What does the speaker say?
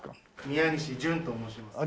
宮西純と申します。